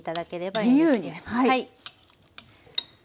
はい。